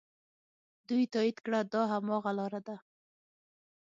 دوی تایید کړه دا هماغه لاره ده.